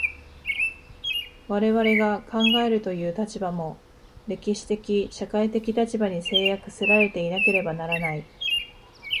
我々が考えるという立場も、歴史的社会的立場に制約せられていなければならない。